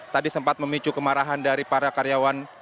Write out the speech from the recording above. tadi sempat memicu kemarahan dari para karyawan